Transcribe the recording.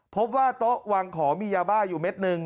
พบว่าตกวางขอมียาบาลอยู่เม็ดนึง